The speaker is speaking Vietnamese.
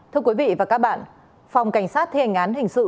thưa quý vị và các bạn phòng cảnh sát thi hành án hình sự